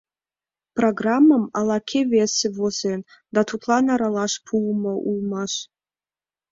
Программым ала-кӧ весе возен да тудлан аралаш пуымо улмаш.